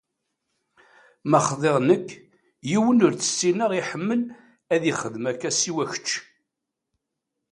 Ma xḍiɣ nekk, yiwen ur t-ssineɣ iḥemmel ad ixdem akka siwa kečč.